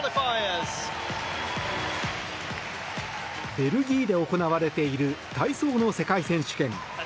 ベルギーで行われている体操の世界選手権。